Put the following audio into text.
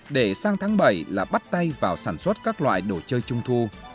để sang tháng bảy là bắt tay vào sản xuất các loại đồ chơi trung thu